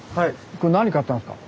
これ何買ったんですか？